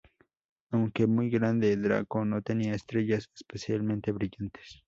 Aunque muy grande, Draco no tiene estrellas especialmente brillantes.